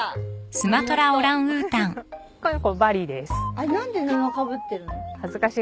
あれ何で布かぶってるの？